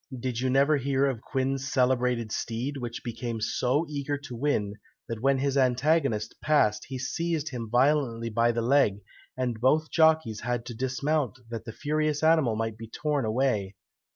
Did you never hear of Quin's celebrated steed, which became so eager to win, that when his antagonist passed he seized him violently by the leg, and both jockeys had to dismount that the furious animal might be torn away.